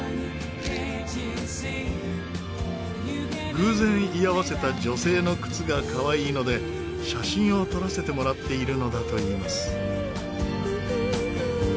偶然居合わせた女性の靴がかわいいので写真を撮らせてもらっているのだといいます。